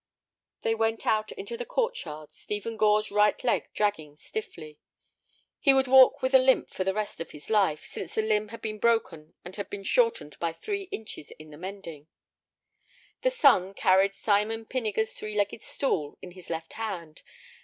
They went out into the court yard, Stephen Gore's right leg dragging stiffly. He would walk with a limp for the rest of his life, since the limb that had been broken had been shortened by three inches in the mending. The son carried Simon Pinniger's three legged stool in his left hand.